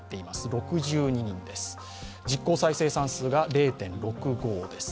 ６２人です実効再生産数が０．６５です。